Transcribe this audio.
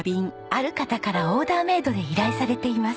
ある方からオーダーメイドで依頼されています。